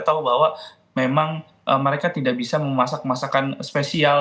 kita tahu bahwa memang mereka tidak bisa memasak masakan spesial